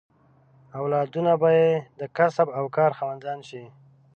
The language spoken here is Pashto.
اولادونه به یې د کسب او کار خاوندان شي.